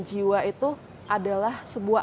jiwa itu adalah sebuah